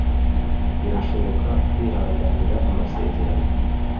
Birashoboka kwihanganira amasezerano